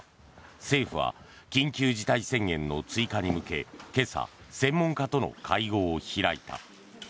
政府は緊急事態宣言の追加に向け今朝、専門家との会合を開いた。